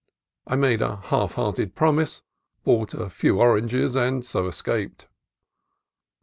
I made a half hearted promise, bought a few oranges, and so escaped.